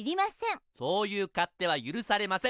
そういう勝手はゆるされません。